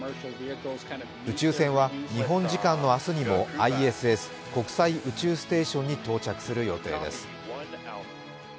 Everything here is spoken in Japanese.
宇宙船は、日本時間の明日にもＩＳＳ＝国際宇宙ステーションに到着する予定です。